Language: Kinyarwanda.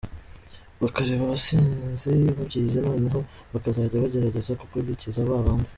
Bakareba abasizi babyize noneho bakazajya bagerageza gukurikiza ba bandi.